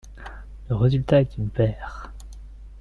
la résultat est une paire